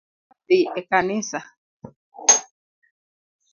Wadwa dhii e kanisa.